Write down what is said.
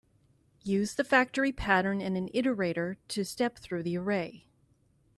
Use the factory pattern and an iterator to step through the array.